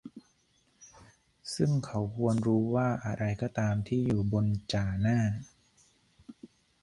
ซึ่งเขาควรรู้ว่าอะไรก็ตามที่อยู่บนจ่าหน้า